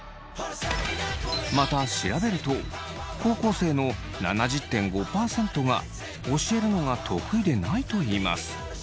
また調べると高校生の７０．５％が教えるのが得意でないといいます。